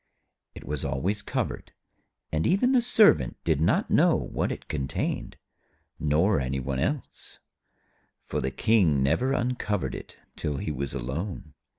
It was always covered, and even the Servant did not know what it contained, nor any one else, for the King never uncovered it till he was alone.